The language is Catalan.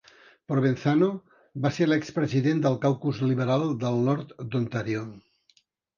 Provenzano va ser l'expresident del caucus liberal del nord d'Ontario.